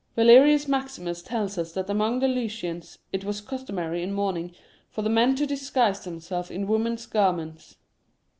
Valerius Maximus tells us that among the Lycians it was customary in mourning for the men to disguise themselves in women's garments.